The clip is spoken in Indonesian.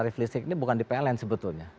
tarif listrik ini bukan di pln sebetulnya